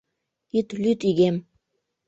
— Ит лӱд, игем!